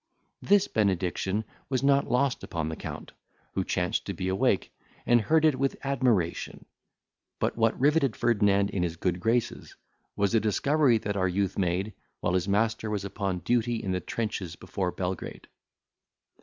This benediction was not lost upon the Count, who chanced to be awake, and heard it with admiration; but what riveted Ferdinand in his good graces, was a discovery that our youth made, while his master was upon duty in the trenches before Belgrade.